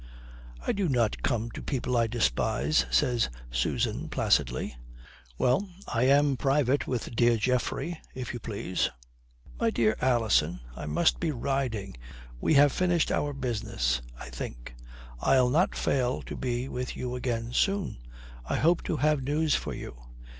"I do not come to people I despise," says Susan placidly. "Well. I am private with dear Geoffrey, if you please." "My dear Alison! I must be riding. We have finished our business, I think. I'll not fail to be with you again soon. I hope to have news for you.